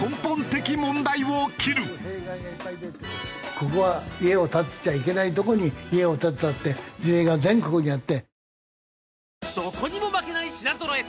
ここは家を建てちゃいけないとこに家を建てたって事例が全国にあって。